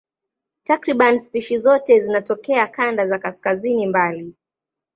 Takriban spishi zote zinatokea kanda za kaskazini mbali.